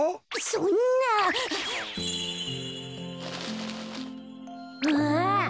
そんな！わ。